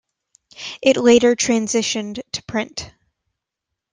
It later transitioned to print.